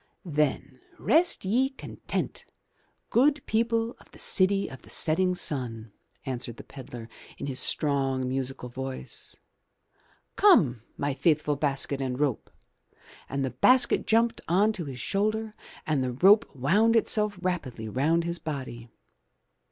"Then rest ye content, good people of the city of the setting sun," answered the pedlar, in his strong, musical voice. "Come, my faithful basket and rope," and the basket jumped on to his shoulder and the rope wound itself rapidly round his body.